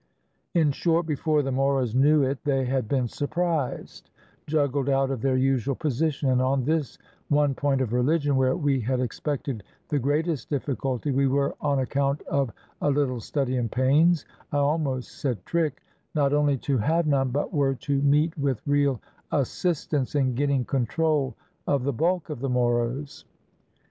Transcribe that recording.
In short, before the Moros knew it, they had been surprised, juggled out of their usual position, and on this one point of religion, where we had expected the greatest difficulty, we were, on account of a Httle study and pains (I almost said trick), not only to have none, but were to meet wdth real assistance in get ting control of the bulk of the Moros.